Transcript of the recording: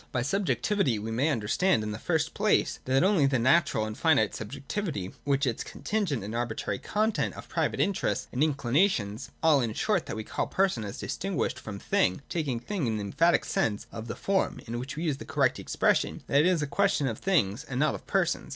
By Subjectivity, however, we may understand, in the first place, only the natural and finite subjectivity, with its con tingent and arbitrary content of private interests and in cKnations, — all, in short, that we call person as distinguished from thing : taking ' thing ' in the emphatic sense of the word (in which we use the (correct) expression that it is a question of things and not oi persons).